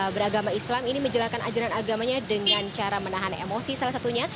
beragama islam ini menjalankan ajaran agamanya dengan cara menahan emosi salah satunya